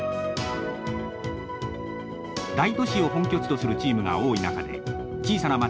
大都市を本拠地とするチームが多い中で小さな町